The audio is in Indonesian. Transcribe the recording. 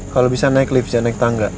kalau bisa naik lift saya naik tangga